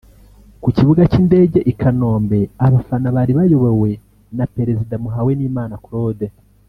Ku kibuga cy’indege i Kanombe abafana bari bayobowe na perezida Muhawenimana Claude